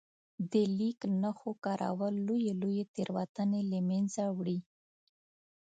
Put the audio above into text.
د لیک نښو کارول لويې لويې تېروتنې له منځه وړي.